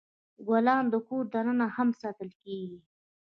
ګلان د کور دننه هم ساتل کیږي.